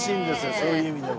そういう意味でも。